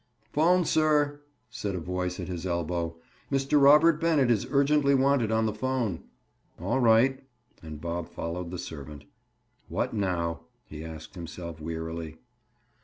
"Phone, sir," said a voice at his elbow. "Mr. Robert Bennett is urgently wanted on the phone." "All right." And Bob followed the servant. "What now?" he asked himself wearily.